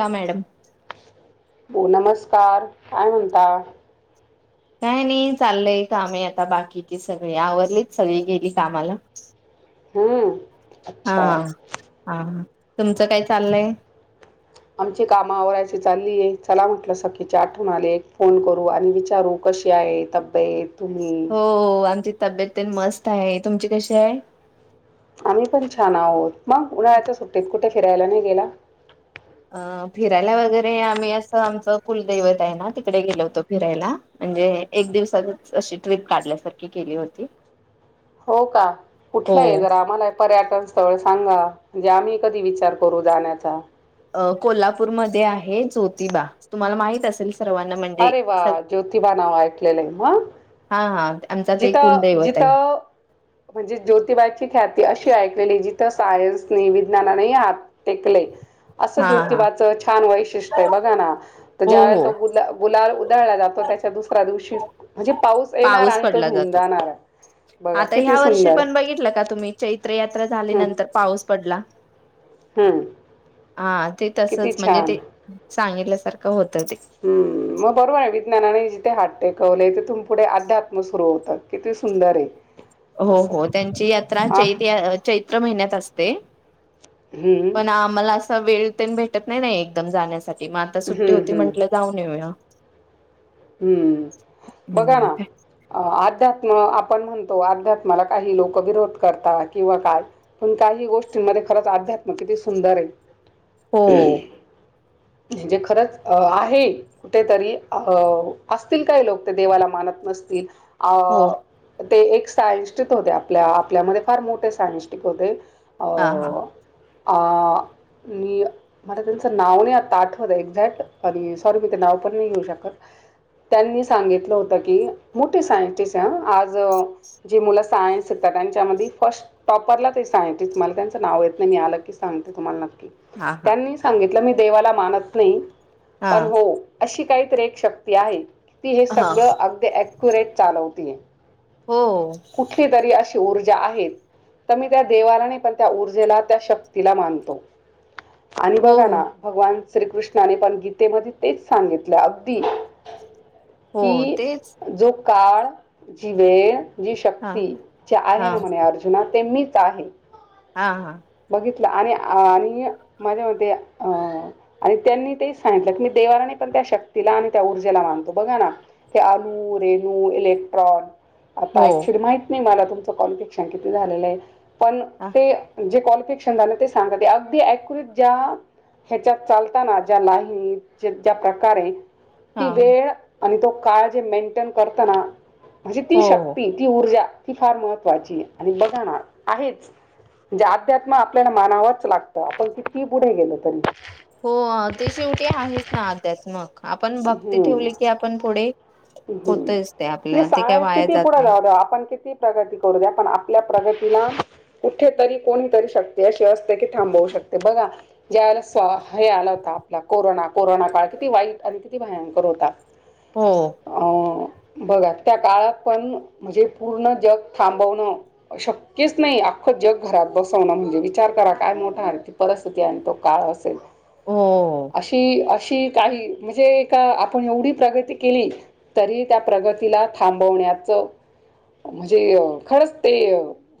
हा मॅडम. हो नमस्कार काय म्हणता. काय नाही चाललंयं कामे आता बाकीची सगळी आवरलीच सगळी गेली कामाला. हम हा हा तुमचं काय चाललयं आमची काम आवरायची चाललीय चला म्हटलं सखीचे आठवण आले. फोन करू आणि विचारू कशी आहे तब्येत. तुम्ही हो आमची तब्येत मस्त आहे तुमची कशी आहे. आम्ही पण छान आहोत मग उन्हाळ्याच्या सुट्टीत कुठे फिरायला नाही गेला. अ. फिरायला वगैरे आम्ही असं आमचं कुलदैवत आहे. ना तिकडे गेलो होतो. फिरायल. म्हणजे एक दिवसाातचं अशी ट्रिप काढल्यासारखी केली होती. हो. का. हो कुठला आहे. जरा आम्हाला पर्यटन स्थळ सांगा म्हणजे आम्ही कधी विचार करू जाण्याचा. अ. कोल्हापूर मध्ये आहे ज्योतिबा तुम्हाला माहित असेल परना अरे वा ज्योतिबा नाव ऐकलेलं आहे म हा हा आमचा ते जित कुलदैवत जित आहे म्हणजे ज्योतिबाईची ख्याती अशी ऐकलेली जिथं सायन्स नाही विज्ञाना नाही आह टेकले असं हा हा ज्योतिबाच छान वैशिष्ट्य आहे बघा ना तर हो ज्या वेळेला हो तो गु गुलाल उधळला जातो त्याच्या दुसऱ्या दिवशी म्हणजे पाऊस येणार आणि तो पडला धु जातो. जाणार बघा आता किती ह्या वर्षी सुंदर पण बघितलं का तुम्ही चैत्र यात्रा हं, झालीनंतर पाऊसं पडला हं. हा ते तसचं किती म्हणजे छान ते सांगितल्यासारखं होतं ते. हम्म मग बरं आहे विज्ञानाने जिथे हात टेकवले तिथून पुढे अध्यात्म सुरू होतात किती सुंदर आहे ह हो हो त्यांची यात्रा चै चैत्र महिन्यात असते हं. पण आम्हाला असं वेळ ते भेटत नाही नाही एकदम जाण्यासाठी मग आता सुट्टी हं, होती. हं. म्हंटलं जाऊन येे. हम्म बघा ना. हम्म अ अध्यात्म आपण म्हणतो अध्यात्माला काही लोक विरोध करत किंवा काय पण काही गोष्टींमध्ये खरंचं अध्यात्मक किती सुंदर आहे. हो. म्हणजे खरंच अ. आहे कुठेतरी अ. असतील काय लोक ते देवाला मानत नसतील अ. हो ते एक सायनस्टिक होते. आपल्या आपल्यामध्ये फार मोठे सायनस्टिक होते. हा. हा. मला त्यांचं नाव नाही आठवत. आठवत एक्झॅक्ट आणि सॉरी मी ते नावं पण नाही घेऊ शकतं. त्यांनी सांगितलं होतं की मोठे सायंटिस्ट आहे आज जे मुलं सायन्स शिकतात त्यांच्यामध्ये फर्स्ट [inaudible] टॉपरला ते सायंटिस्ट आहे मला त्यांचं नाव येत नाही मी आलं की सांगते तुम्हाला नक्की. हा हा त्यांनी सांगितलं मी देवाला मानत. नाही. हा पण हो. अशी काहीतरी एक शक्ती आहे की हे हा सगळं अगदी अक्युरेट चालवतेयं. हो, कुठली तरी अशी ऊर्जा आहेत. तर मी त्या देवाला नाही. पण त्या ऊर्जेला त्या शक्तीला मानतो. आणि हो बघा ना भगवान श्रीकृष्णाने पण गीतेमध्ये तेच सांगितलं अगदी. हो कि तेच जो काळ जी वेळ. जी हा शक्ती जी हा आहे ना म्हणे अर्जुना ते मिचं आहे. हा हा बघितलं आणि आणि माझ्या म अ आणि त्यांनी ते सांगितलं की मी देवानी पण त्या शक्तीला आणि त्या ऊर्जेला मानतो बघा ना ते आलू रेनू इलेक्ट्रॉन हो आता ऍक्च्युली माहित नाही मला तुमचं कॉलपेक्षा किती झालेलं आहे पण ते जे क्वालिफिकशन ते सांगत अगदी अ्युरेट ज्या ह्याच्यात चालताना ज्या लाई ज्या प्रकारे ती हा वेळ आणि तो काळ जे मेनटेन करताना म्हजी ती हो शक्ती ती ऊर्जा ती फार महत्त्वाची आणि बघाणार आहेच म्हणजे अध्यात्म आपल्याला मानावंच लागतं आपण किती पुढे गेलं तरी हो ते शेवटी आहेच ना अध्यात्मक आपण भक्ती ठेवली की आपण पुढे हम् होतच ते म्हणजे आपल्या ते काही सायनस वाया किती जात पुढे नाही. जाऊ देऊ आपण किती प्रगती करू द्या पण आपल्या प्रगतीला कुठेेतरी कोणीतरी शकते अशी असते की थांबवू शकते बघा ज्याळेला हे आला होता आपला कोरोना कोरोना काळ किती वाईट आणि किती भयंकर होता. हो. अं बघा त्या काळात पण म्हणजे पूर्ण जग थांबवणं. एक शक्यच नाही अख्खं जग घरात बसवणं म्हणजे विचार करा काय म [inaudible] ती परिस्थिती आहे आणि तो काळ त्या हम् अशी अशी काही म्हणजे का आपण एवढी प्रगती केली तरी त्या प्रगतीला थांबवण्याचं म्हणजे खरंच ते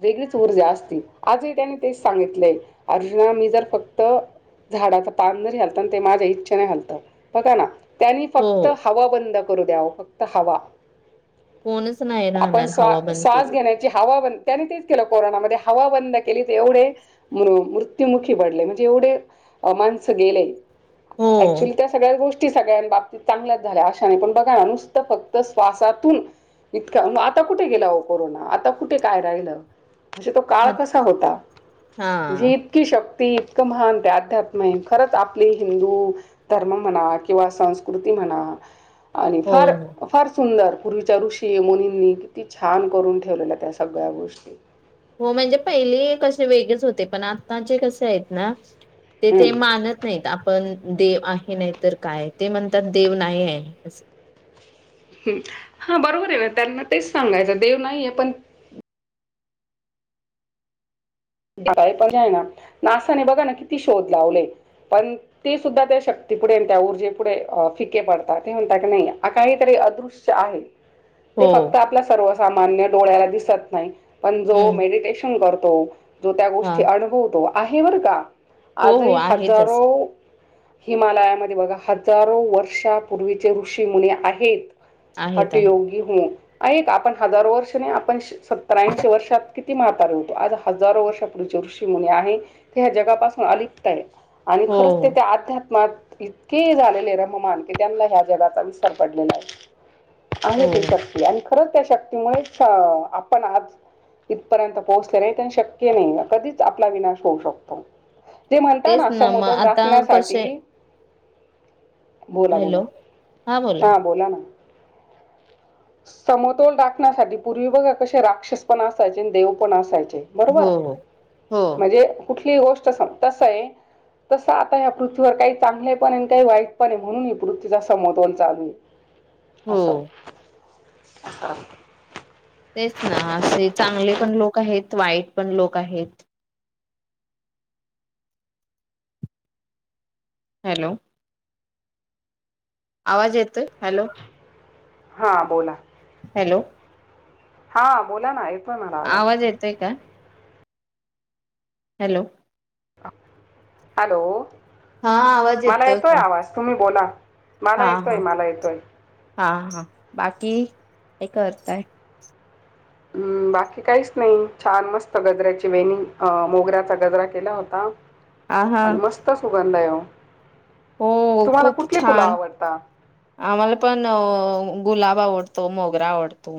वेगळीच ऊर्जा असती आजही त्यानी ते सांगितलंय अर्जुना मी जर फक्त झाडाचा पान जरी घलतां आणि ते माझ्या इच्छनेालता बका ना त्यांनी हो फक्त हवा बंद करू द्याव फक्त हवा कोणच नाही आपण राहणार स्वा हवा बंद श्वास केली. घेण्या हवा बंद त्यानी तेच केलं कोरोनामध्ये हवा बंद केली ते एवढे मृत्युमुखी पडले म्हणजे एवढे माणस गेले हो ऍक्च्युली त्या सगळ्या गोष्टी सगळ्यां बाबतीत चांगल्याच झाल्या अशा नाही पण बघा ना नुसतं फक्त श्वासातून इतका मग आता कुठे गेला हो कोरोना आता कुठे काय राहिलं म्हणजे तो काळ कसा होता म्हणजे हा. इतकी शक्ती इतकं महान तेध्यात्म आहे खरंच आपली हिंदू धर्म म्हणा किंवा संस्कृती म्हणा आणि हो फार हो फार सुंदर पूर्वीच्या ऋषी य मोोनींनी किती छान करून ठेवलेल्या त्या सगळ्या गोष्टी हो म्हणजे पहिली कसे वेगळेच होते पण आताचे कसे आहेत ना ते हम्म. ते मानत नाही का पण देव आहे नाही तर काय ते म्हणतात देव नाही आहे ह हा बरोबर आहे ना त्यांना तेच सांगायचं देव नाहीये पण य पणय ना नासाने बघा ना किती शोध लावले पण ते सुद्धा त्या शक्तीपुढे त्या ऊर्जे पुुढे फिके पडतात ते म्हणता की नाही काहीतरी अदृश द आहे ते फक्त हो. आप सर्वसामान्य डोळ्याला दिसत नाही पण जो हम्म मेडटेश करतो जो त्या हा गोष्टी अनुभवतो आहे बर का हो हो आजही आहेत हजारो तसे हिमालयामध्ये बघा हजारो वर्षापूर्वीचे ऋषीमुने आहेत आहेत आहेत हटयोगी हो एक आपण हजारो वर्ष नाही आपण सत्तरांशी वर्षात किती ती म्हातारे होतो आज हजारो वर्षापढेचे ऋषीमुनी आहे ते ह्या जगापासून अलिप्त आहे आणि हो खरंच ते त्या अध्यात्मात इतके झालेले रममान की त्यांना ह्या जगाचा विस्ार पडलेला आहे अ तु हो. शक्ती खरंच त्या शक्तीमुळे आपण आज इथपर्यंत पोहोचले नाही त्यां श क नाही कधीच आपला विनाश होऊ शकतो जे म्हणत तेच ना मग समतोल आता कसे राखण्यासाठी बोला बोला हॅलो हा बोला ना समतोल रााखण्यासाठी पूर्वी बघा कसे राक्षस पण असायचे देव पण असायचे हो बरोबर हो हो म्हणजे कुठली गोष्ट तस आहे तसं आता या्या पृथ्वीवर काही चांगले पण आहे आणि काही वाईट पण आहे म्हणून ही पृथ्वीचा समोवन चालू आहे हो अस अस तेच ना असे चांगले पण लोक आहेत वाईट पण लोक आहेत हॅलो आवाज येतोय हॅलो हां बोला हॅलो हा बोला ना आवाज येतोय का? हॅलो हॅलो हा आवाज मला येतोय का आवाज... तुम्ही बोला, मला हा येतोय, हा मला येतोय हा... हा... बाकी काय करताय? हम्म... बाकी काहीच नई... छान, मस्त गजऱ्याची वेणी... अ... मोगऱ्याचा गजरा केला होता हा हा आणि मस्त सुगंध ए ओ... हो तुम्हाला खूप कुठली फुलं छान आवडतात? आम्हाला पण... अ... गुलाब आवडतो, मोगरा आवडतो.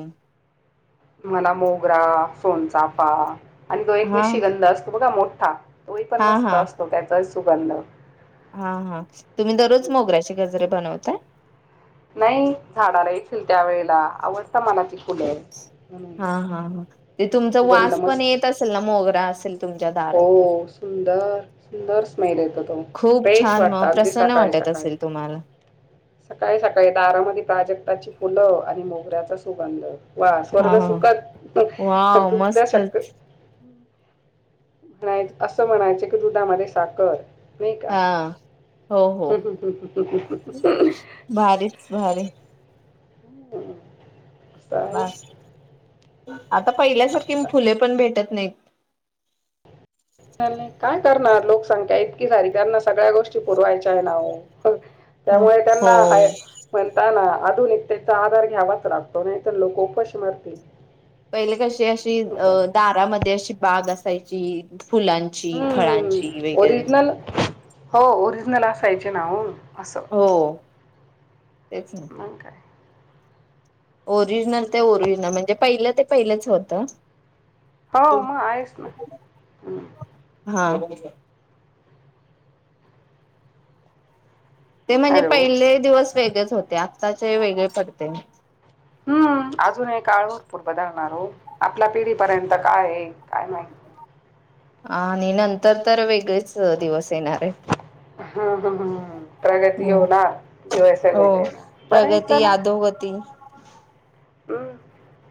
मला मोगरा, सोनचाफा आणि तो एक हा निशिगंध असतो बघा... मोठा तोही पण हा मस्त हा असतो, त्याचाही सुगंध हा... हा... तुम्ही दररोज मोगऱ्याची गजरे बनवताय? नाई... झाडाला येतील त्यावेेळेला... आवडता मला ती फुलं म्हणून हा हा हा... ते तुमचा सुगंध वास पण मस्त. येत असेल ना, मोगरा असेल तुमच्या दारात तर... हो सुंदर, सुंदर स्मेल येतो तो. खूप फ्रेश छान वाटतं मग अगदी प्रसन्न सकाळी वाटत सकाळी. असेल? तुम्हाला सकाळी सकाळी, दारामध्ये प्राजक्ताची फुलं आणि मोगऱ्याचा सुगंध वा... हा स्वर्ग हा सुखच, हं... वाव दुग्ध मस्तच शक न्हाई... असं म्हणायचं की दुधामध्ये साखर नई का? हा हो हो हुंहुं... हुंहुं... हुंहुं... हुंहुं... हुं. भारीच भारी हुं [unintelligible] बस आता पहिल्यासारखी फुले पण भेटत न्हईत. चाललंय... काय करणार? लोकसंख्या इतकी झाली... त्यांना सगळ्या गोष्टी पुरवायच्याय ना ओ [unintelligible] हो त्यामुळे हो त्यांना हाय म्हणता ना... आधुनिकतेचा आधार घ्यावाच लागतो, नाहीतर लोकं उपाशी मरतील पहिले कशी, अशी... अ... असं आहे. दारामध्ये, अशी बाग असायची फुलांची ची हम्म फळांची वगैरे ओरिजिनल हो... ओरिजनल असायचे ना हो, असं हो, तेच ना मग काय? ओरिजनल ते ओरिजनल... म्हणजे पहिलं ते पहिलंच होतं हो... मग आहेच ना हा. ते म्हणजे... अरे हो पहिले दिवस वेगळेच होते, आत्ताचे वेगळे पडते हम्म... अजूनही काळ भरपूर बदलणार हो... आपल्या पिढीपर्यंत काय ए... काय माहित आणि नंतर तर वेगळेच दिवस येणार येत हम्म... ह ह हं... प्रगती होणार, दिवस हो वेगळे येणार... बरं ए... प्रगती चला [unintelligible] हम्म...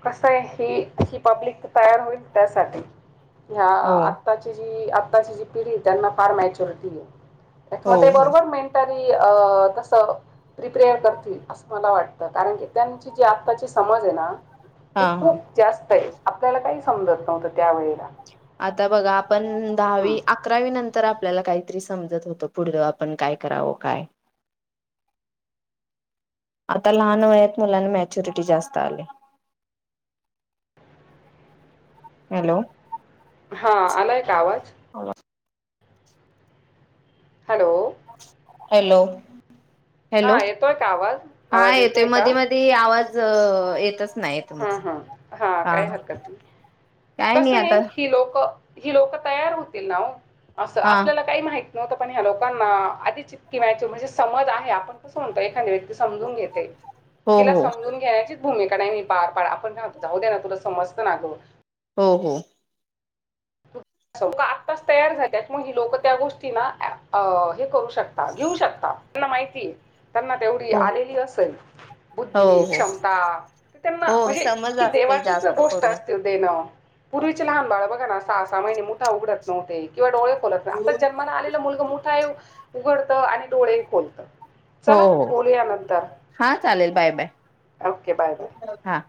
कसं ए... ही, ही पब्लिक तर तयार होईल त्यासाठी ह्या... हो आत्ताची जी... आत्ताची जी पिढी ए... त्यांना फार मॅच्युरिटी ए [unintelligible] हो मग ते हो बरोबर मेंटली अ... तसं प्रिप्रेयर करतील, असं मला वाटतं. कारण की त्यांची जी आताची समज हे ना, हा ती हा खूप जास्त ए... आपल्याला काही समजत नव्हतं त्यावेळेला आता बघा, आपण दहावी हं. आक अकरावी नंतर, आपल्याला काहीतरी समजत होतं. पुढं आपण काय करावं, काय आता लहान वयात मुलांना, मॅच्युरिटी जास्त आली. हॅलो हा... आलाय का आवाज? आला. हॅलो हॅलो हॅलो हां येतोय का आवाज? हा आवाज येतोय मध्ये का? मध्ये ते आवाज येतच नाहीत हम हम हा काय हरकत नाही काय कस नाही आहे आता हि लोक ही लोक तयार होतील ना असं हा आपल्याला काही माहित नव्हत पण ह्या लोकांना आधीच किंवा म्हणजे समज आहे आपण तसं म्हणतो एखादी व्यक्ती समजून घेते हो तिला हो समजून घेण्याचीच भूमिका नाही मी पार पाड आपणतो जाऊ दे ना तुला समजत नाग हो हो लोक आत्ताच तयार झाल्यात म ह लोक त्या गोष्टीना हे करू शकता घेऊ शकता त्यांना माहितीय त्यांना तेवढी हो आलेली असेल हो बुद्धी हो क्षमता तर त्यांना हो म्हणजे समज ही असते देवाचीच जास्त गोष्ट करून असते देणं पूर्वीचे लहान बाळ बघा ना सहा सहा महिने मोठा उघडत नव्हते किंवा डोळे खोलत नाही आता जन्माला आलेला मुलग मोठा उघडत आणि डोळे खोलत हो हा चालेल bye bye okay. Bye bye. हा